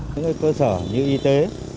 các cơ sở như y tế